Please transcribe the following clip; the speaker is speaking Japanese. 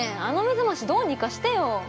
あの目覚ましどうにかしてよ